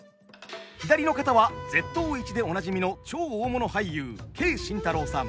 左の方は「Ｚ頭市」でおなじみの超大物俳優Ｋ新太郎さん。